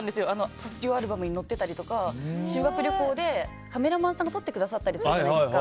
卒業アルバムに載ってたり修学旅行でカメラマンさんが撮ってくださったりするじゃないですか。